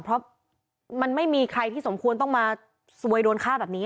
เพราะมันไม่มีใครที่สมควรต้องมาซวยโดนฆ่าแบบนี้